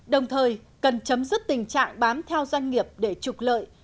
đồng thời cần chấm dứt tình trạng bám theo doanh nghiệp để trục lợi